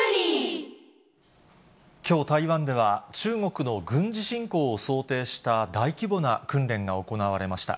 きょう、台湾では中国の軍事侵攻を想定した大規模な訓練が行われました。